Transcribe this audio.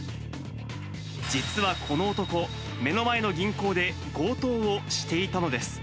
実はこの男、目の前の銀行で強盗をしていたのです。